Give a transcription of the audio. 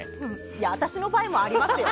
私の場合もありますよ！